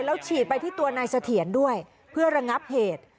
แล้วฉีดไปที่ตัวนายเสถียรด้วยเพื่อระงับเหตุ